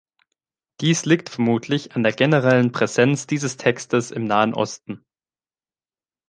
Dies liegt vermutlich an der generellen Präsenz dieses Textes im Nahen Osten.